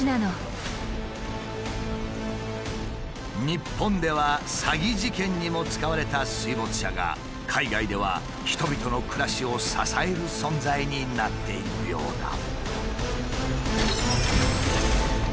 日本では詐欺事件にも使われた水没車が海外では人々の暮らしを支える存在になっているようだ。